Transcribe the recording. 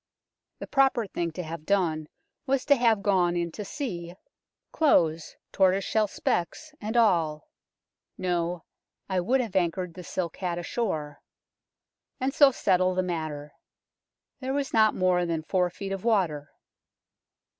The proper thing to have done was to have gone in to see, clothes, tortoise 106 UNKNOWN LONDON shell specs and all no, I would have anchored the silk hat ashore and so settle the matter. There was not more than four feet of water.